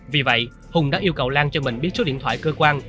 vì vậy hùng đã yêu cầu lan cho mình biết số điện thoại cơ quan